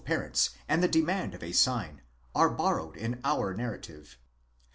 § 10, parents, and the demand of a sign, are borrowed in our narrative.